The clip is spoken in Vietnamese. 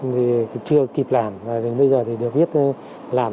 thì chưa kịp làm và bây giờ thì được biết làm